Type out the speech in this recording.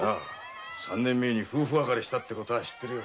三年前夫婦別れした事は知ってるよ。